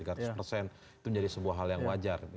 itu menjadi sebuah hal yang wajar